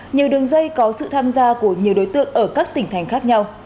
nhiều đường dây có sự tham gia của nhiều đối tượng ở các tỉnh thành khác nhau